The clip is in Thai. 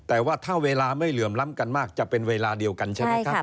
แต่ว่าถ้าเวลาไม่เหลื่อมล้ำกันมากจะเป็นเวลาเดียวกันใช่ไหมครับ